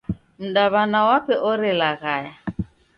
Mdaw'ana wape orelaghaya.